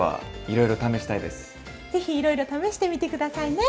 ぜひいろいろ試してみて下さいね。